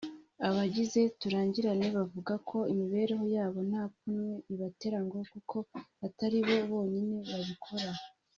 Abagize Turangirane bavuga ko imibereho yabo nta pfunwe ibatera ngo kuko atari bo bonyine babikora